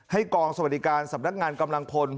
กองสวัสดิการสำนักงานกำลังพล